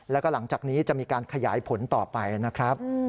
แล้วก็หลังจากนี้จะมีการขยายผลต่อไปนะครับ